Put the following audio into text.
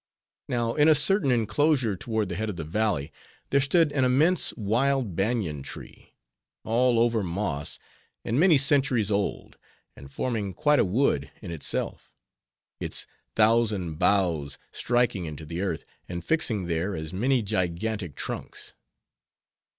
Now, in a certain inclosure toward the head of the valley, there stood an immense wild banian tree; all over moss, and many centuries old, and forming quite a wood in itself: its thousand boughs striking into the earth, and fixing there as many gigantic trunks.